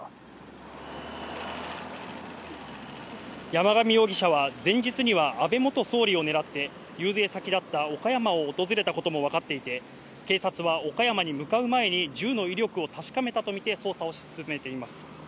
山上容疑者は前日には安倍元総理を狙って遊説先だった岡山訪れたことも分かっていて、警察は岡山に向かう前に銃の威力を確かめたとみて捜査を進めています。